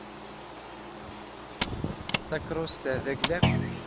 Takeṛṛust-a d ayla-nnem.